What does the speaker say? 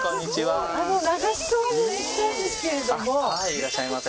いらっしゃいませ。